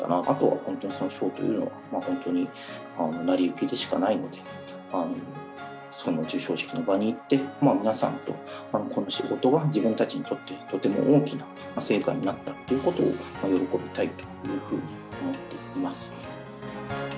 あとはその賞というのは、本当に成り行きでしかないので、その授賞式の場に行って、皆さんとこの仕事が自分たちにとって、とても大きな成果になったということを喜びたいというふうに思っています。